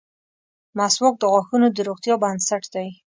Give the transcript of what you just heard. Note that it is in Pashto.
• مسواک د غاښونو د روغتیا بنسټ دی.